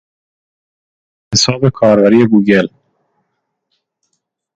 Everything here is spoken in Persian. حساب کاربری گوگل